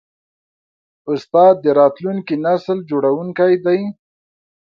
استاد د راتلونکي نسل جوړوونکی دی.